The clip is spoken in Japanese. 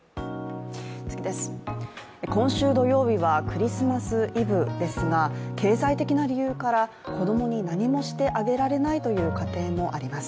今週土曜日はクリスマスイブですが経済的な理由から子供に何もしてあげられないという家庭もあります。